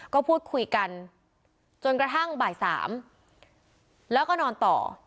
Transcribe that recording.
ก็พูดคุยกันจนกระทั่งบ่าย๓แล้วก็นอนต่อ